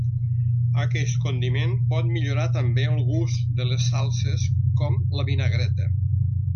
Aquest condiment pot millorar també el gust de les salses com la vinagreta.